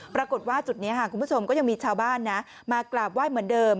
ปรากฏว่าจุดนี้คุณผู้ชมก็ยังมีชาวบ้านนะมากราบไหว้เหมือนเดิม